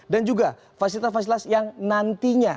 dan juga fasilitas fasilitas yang nantinya